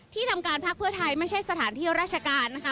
ทำการพักเพื่อไทยไม่ใช่สถานที่ราชการนะคะ